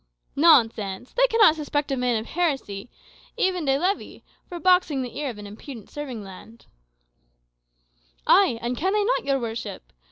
"Nonsense. They cannot suspect a man of heresy, even de levi,[#] for boxing the ear of an impudent serving lad." [#] Lightly. "Ay, and can they not, your worship?